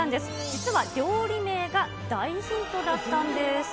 実は料理名が大ヒントだったんです。